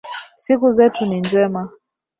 Siku zetu ni njema